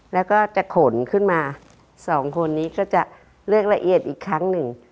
แล้วก็จะขนขึ้นมาสองคนนี้ก็จะเลือกละเอียดอีกครั้งหนึ่ง